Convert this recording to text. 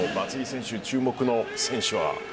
松井選手、注目の選手は？